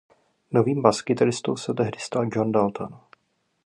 Novým baskytaristou se tehdy stal John Dalton.